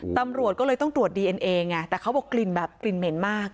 ตำรวจก็เลยต้องตรวจดีเอ็นเอไงแต่เขาบอกกลิ่นแบบกลิ่นเหม็นมาก